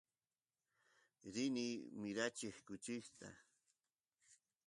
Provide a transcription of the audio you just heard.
rini mirachiy kuchista